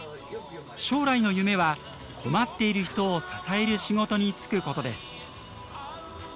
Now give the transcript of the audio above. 将来の夢は困っている人を支える仕事に就くことです。